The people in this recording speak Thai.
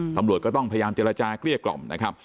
ตำรวจก็ต้องพยายามเจราค์จาเปรี้ยกกล่่อมา